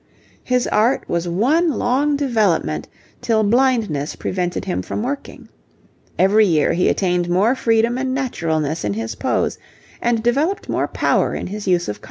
His art was one long development till blindness prevented him from working. Every year he attained more freedom and naturalness in his pose and developed more power in his use of colour.